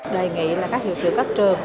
đề nghị là các hiệu trưởng các trường